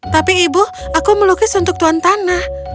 tapi ibu aku melukis untuk tuan tanah